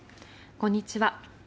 こんにちは。